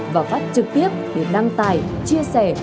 và phát trực tiếp để đăng tài chia sẻ